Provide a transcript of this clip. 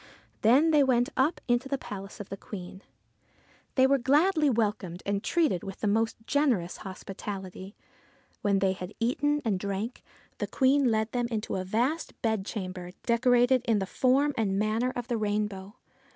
Then they went up into the palace of the Queen. They were gladly welcomed and treated with the most generous hospitality. When they had eaten and drank, the Queen led them into a vast bedchamber decorated in the form and manner of the rainbow.